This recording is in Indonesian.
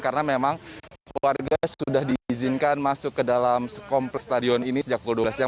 karena memang warga sudah diizinkan masuk ke dalam komplek stadion ini sejak pukul dua belas siang